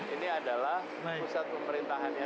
ini adalah pusat pemerintahannya